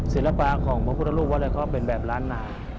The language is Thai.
ศิลปะของพระพุทธรูปวัดแล้วก็เป็นแบบล้านนา